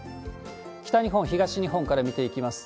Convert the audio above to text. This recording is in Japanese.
北日本、東日本から見ていきます。